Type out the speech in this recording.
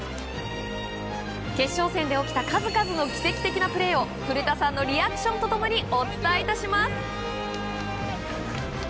決勝戦で起きた数々の奇跡的なプレーを古田さんのリアクションと共にお伝え致します！